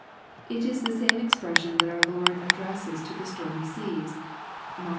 It is the same expression that our Lord addresses to the stormy sea, (Mark iv.